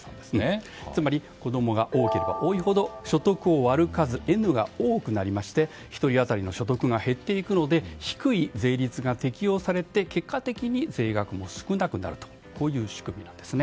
つまり子供が多ければ多いほど所得を割る数、Ｎが多くなって１人当たりの所得が減っていくので低い税率が適用されて、結果的に税額も少なくなるという仕組みなんですね。